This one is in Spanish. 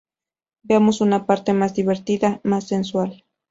Veamos una parte más divertida, más sensual".